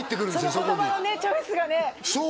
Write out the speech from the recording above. そこに言葉のねチョイスがね